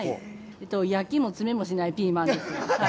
焼きも詰めもしないピーマンです。